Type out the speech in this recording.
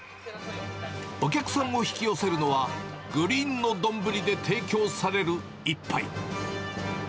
お客さんを引き寄せるのは、グリーンの丼で提供される一杯。